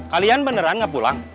kalian beneran gak pulang